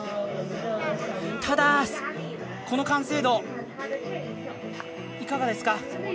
ただ、この完成度いかがですか。